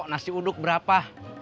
nasi uduk berapa